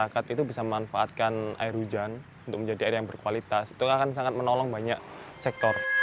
kita sudah tahu banyak